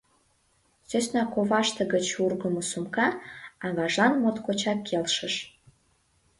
Сӧсна коваште гыч ургымо сумка аважлан моткочак келшыш.